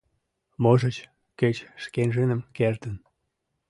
Можыч, кеч шкенжыным кертын?